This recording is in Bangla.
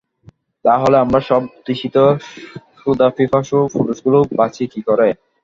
তা হলে আমরা সব তৃষিত সুধাপিপাসু পুরুষগুলো বাঁচি কী করে।